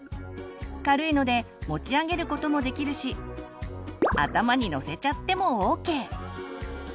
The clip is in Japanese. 軽いので持ち上げることもできるし頭にのせちゃってもＯＫ！